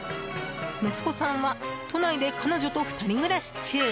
息子さんは都内で彼女と２人暮らし中。